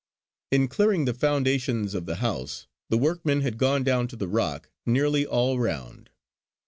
In clearing the foundations of the house the workmen had gone down to the rock nearly all round.